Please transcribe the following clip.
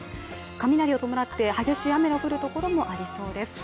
雷を伴って激しい雨の降るところもありそうです。